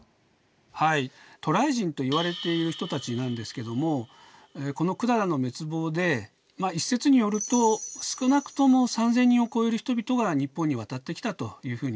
はい渡来人といわれている人たちなんですけどもこの百済の滅亡で一説によると少なくとも３，０００人を超える人々が日本に渡ってきたというふうにいわれています。